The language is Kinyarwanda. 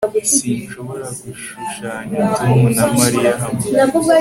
Sinshobora gushushanya Tom na Mariya hamwe